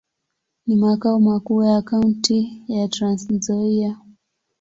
Ni makao makuu ya kaunti ya Trans-Nzoia.